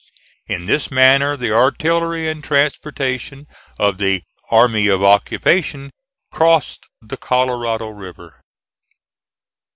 In this manner the artillery and transportation of the "army of occupation" crossed the Colorado River.